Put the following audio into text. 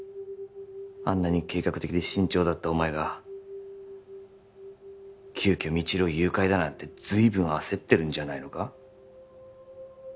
あんなに計画的で慎重だったお前が急きょ未知留を誘拐だなんてずいぶん焦ってるんじゃないのか？